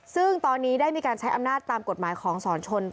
ซึ่งตอนนี้ได้มีการใช้อำนาจตามกฎหมายของสอนชน